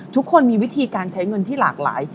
ทุกคนมีวิธีการใช้เงินที่หลากหลาย